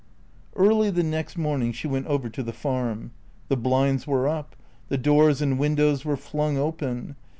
Early the next morning she went over to the Farm. The blinds were up; the doors and windows were flung open.